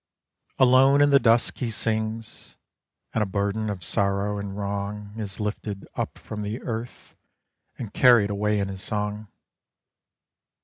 Alone in the dusk he sings, And a burden of sorrow and wrong Is lifted up from the earth And carried away in his song.